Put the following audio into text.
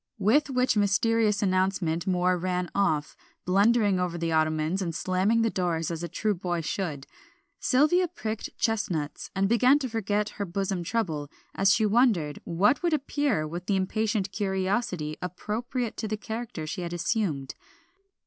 With which mysterious announcement Moor ran off, blundering over the ottomans and slamming the doors as a true boy should. Sylvia pricked chestnuts, and began to forget her bosom trouble as she wondered what would appear with the impatient curiosity appropriate to the character she had assumed.